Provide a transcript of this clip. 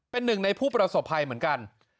เป็นหนึ่งในผู้ประสบภัยเหมือนกัน